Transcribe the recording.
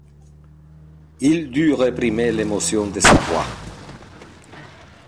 Il dut réprimer l'émotion de sa voix.